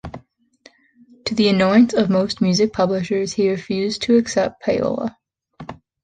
To the annoyance of most music publishers, he refused to accept payola.